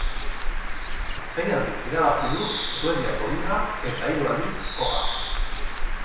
Sei aldiz irabazi du Suediako liga eta hiru aldiz kopa.